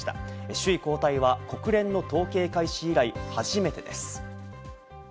首位交代は国連の統計開始以来、初めてです。